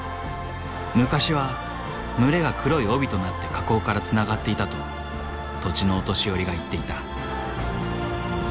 昔は群れが黒い帯となって河口からつながっていたと土地のお年寄りが言っていた。